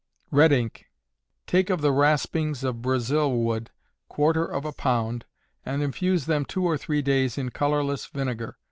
Red Ink. Take of the raspings of Brazil wood, quarter of a pound, and infuse them two or three days in colorless vinegar.